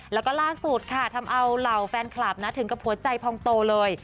แล้วก็ล่าสุดค่ะทำเอาเหล่าแฟนคลับนะถึงกับหัวใจพองโตเลย